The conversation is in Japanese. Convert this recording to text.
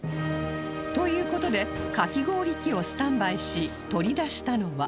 という事でかき氷器をスタンバイし取り出したのは